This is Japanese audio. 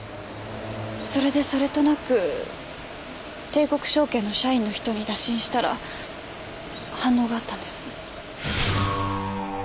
それでそれとなく帝国証券の社員の人に打診したら反応があったんです。